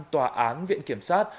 tòa án viện kiểm sát